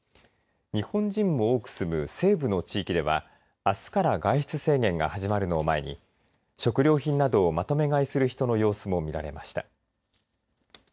日本人も多く住む西部の地域ではあすから外出制限が始まるのを前に食料品などをまとめ買いする人の様子も見られました。